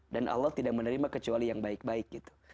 dan allah tidak menerima kecuali yang baik baik gitu